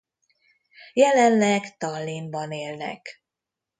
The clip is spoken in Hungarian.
Jelenleg Tallinnban élnek.